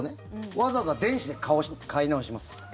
わざわざ電子で買い直します。